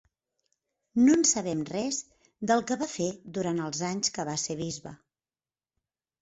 No en sabem res del que va fer durant els anys que va ser bisbe.